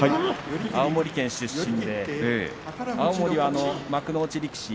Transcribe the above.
青森県出身で青森は幕内力士